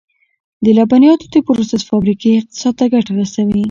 د لبنیاتو د پروسس فابریکې اقتصاد ته ګټه رسوي.